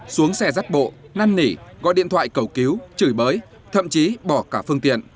xuống xe rắt bộ năn nỉ gọi điện thoại cầu cứu chửi bới thậm chí bỏ cả phương tiện